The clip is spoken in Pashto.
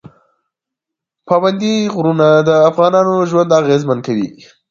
پابندی غرونه د افغانانو ژوند اغېزمن کوي.